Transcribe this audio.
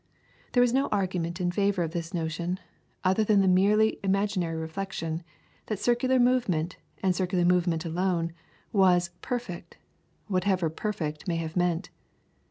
There was no argument in favour of this notion, other than the merely imaginary reflection that circular movement, and circular movement alone, was "perfect," whatever "perfect" may have meant.